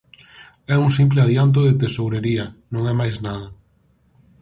É un simple adianto de tesourería, non é máis nada.